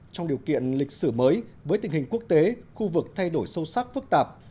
trong điều kiện lịch sử mới với tình hình quốc tế khu vực thay đổi sâu sắc phức tạp